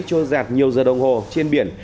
cho giạt nhiều giờ đồng hồ trên biển